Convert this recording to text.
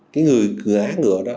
cái người ngã ngựa đó